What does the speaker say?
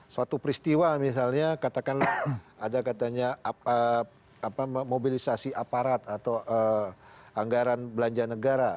suatu peristiwa misalnya katakanlah ada katanya mobilisasi aparat atau anggaran belanja negara